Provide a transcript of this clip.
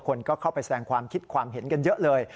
คนก็เข้าไปแสดงความคิดความเห็นกันเยอะเลย